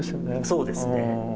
そうですね。